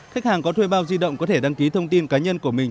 khách hàng có thuê bao di động có thể đăng ký thông tin cá nhân của mình